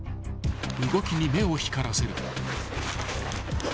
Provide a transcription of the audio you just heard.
［動きに目を光らせる］